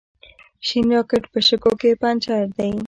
شین راکېټ په شګو کې پنجر دی.